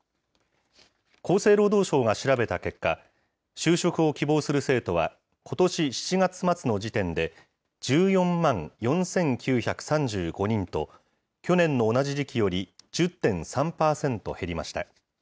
厚生労働省が調べた結果、就職を希望する生徒は、ことし７月末の時点で１４万４９３５人と、去年の同じ時期より１０．３％減りました。